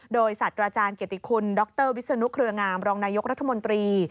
โดยสัตว์อาจารย์เกียรติคุณดรวิศนุเครืองามรองนายกรัฐมนตรี